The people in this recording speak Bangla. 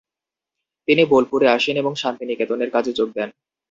তিনি বোলপুরে আসেন এবং শান্তিনিকেতনের কাজে যোগ দেন।